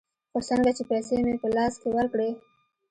خو څنگه چې پيسې مې په لاس کښې ورکړې.